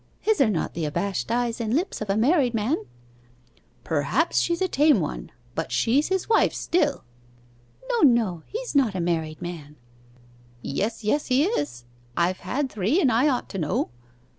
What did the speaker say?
His are not the abashed eyes and lips of a married man.' 'Perhaps she's a tame one but she's his wife still.' 'No, no: he's not a married man.' 'Yes, yes, he is. I've had three, and I ought to know.